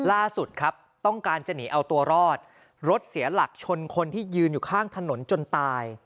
ล่าสุดครับต้องการจะหนีเอาตัวรอดรถเสียหลักชนคนที่ยืนอยู่ข้างถนนจนตาย